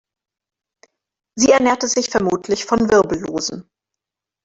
Sie ernährte sich vermutlich von Wirbellosen.